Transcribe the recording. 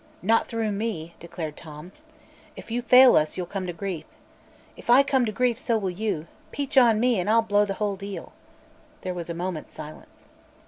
"Not through me," declared Tom. "If you fail us, you'll come to grief." "If I come to grief, so will you. Peach on me, and I'll blow the whole deal." There was a moment's silence.